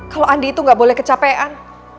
kalau andi itu gak boleh kecapean